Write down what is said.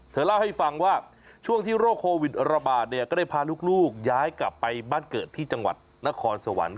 เธอเล่าให้ฟังว่าช่วงที่โรคโควิดระบาดเนี่ยก็ได้พาลูกย้ายกลับไปบ้านเกิดที่จังหวัดนครสวรรค์